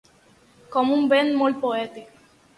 Com un vent molt poètic.